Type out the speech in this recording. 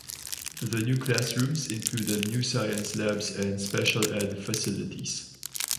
The new classrooms included new science labs and special-ed facilities.